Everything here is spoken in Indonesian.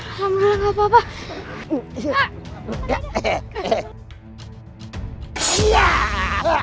alhamdulillah gak apa apa